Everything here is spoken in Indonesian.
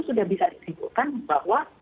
sudah bisa disibukkan bahwa